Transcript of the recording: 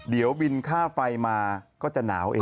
เดี๋ยวบินค่าไฟมาก็จะหนาวเอง